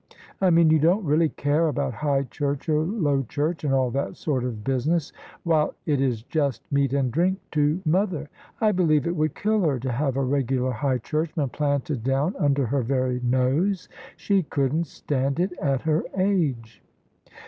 I mean you don't really care about high church or low church and all that sort of business, while it is just meat and drink to mother. I believe it would kill her to have a regular high churchman planted down under her very nose: she couldn't stand it at her age.